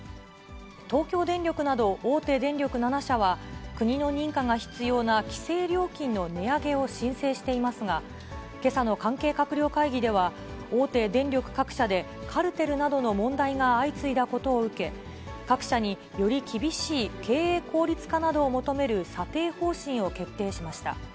東京電力など、大手電力７社は、国の認可が必要な、規制料金の値上げを申請していますが、けさの関係閣僚会議では大手電力各社でカルテルなどの問題が相次いだことを受け、各社により厳しい経営効率化などを求める査定方針を決定しました。